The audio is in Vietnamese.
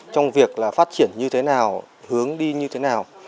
trong việc là phát triển như thế nào hướng đi như thế nào